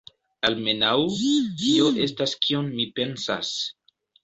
Almenaŭ, tio estas kion mi pensas.